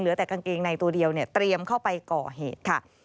แต่กางเกงในตัวเดียวเนี่ยเตรียมเข้าไปก่อเหตุค่ะ